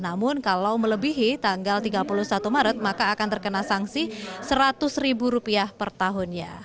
namun kalau melebihi tanggal tiga puluh satu maret maka akan terkena sanksi seratus ribu rupiah per tahunnya